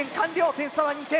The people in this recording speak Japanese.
点差は２点。